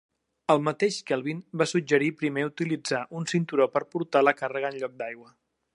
El mateix Kelvin va suggerir primer utilitzar un cinturó per portar la càrrega en lloc d'aigua.